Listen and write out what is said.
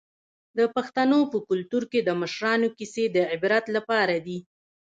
د پښتنو په کلتور کې د مشرانو کیسې د عبرت لپاره دي.